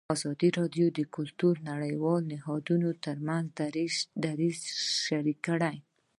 ازادي راډیو د کلتور د نړیوالو نهادونو دریځ شریک کړی.